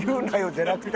じゃなくて。